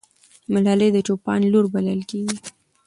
ملالۍ د چوپان لور بلل کېږي.